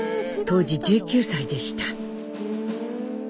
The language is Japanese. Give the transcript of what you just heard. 当時１９歳でした。